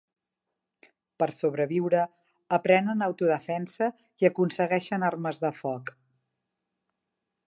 Per sobreviure aprenen autodefensa i aconsegueixen armes de foc.